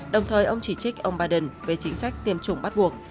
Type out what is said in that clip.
đồng thời ông chỉ trích ông biden về chính sách tiêm chủng bắt buộc